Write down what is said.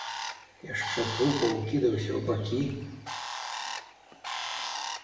Яшчэ тупаў, кідаўся ў бакі.